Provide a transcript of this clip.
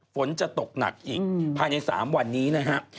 ฝนจะตกหนักอีกภายใน๓วันนี้นะครับ